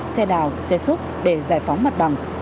xe đào xe xúc để giải phóng mặt bằng